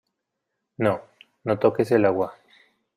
no, no toques el agua.